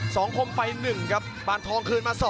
คมไป๑ครับปานทองคืนมา๒